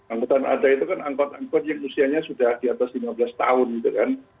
angkutan ada itu kan angkut angkut yang usianya sudah di atas lima belas tahun gitu kan